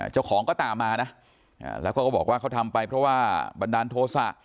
เจ้าของก็ตามมานะแล้วเขาก็บอกว่าเขาทำไปเพราะว่าบันดาลโทษะ